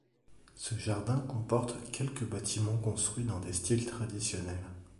Ce jardins comporte quelques bâtiments construits dans des styles traditionnels.